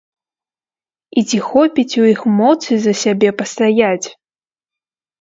І ці хопіць у іх моцы за сябе пастаяць?